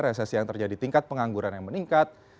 resesi yang terjadi tingkat pengangguran yang meningkat